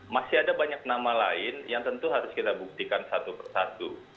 masih ada banyak nama lain yang tentu harus kita buktikan satu persatu